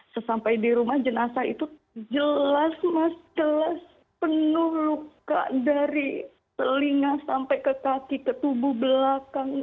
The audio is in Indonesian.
sesampai di rumah jenazah itu jelas mas jelas penuh luka dari telinga sampai ke kaki ke tubuh belakang